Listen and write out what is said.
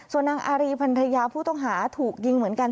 ส่วนนางอารีพันรยาผู้ต้องหาถูกยิงเหมือนกัน